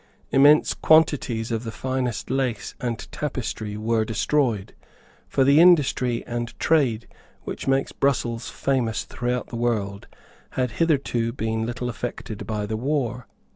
Immense quantities of the finest lace and tapestry were destroyed; for the industry and trade which made Brussels famous throughout the world had hitherto been little affected by the war.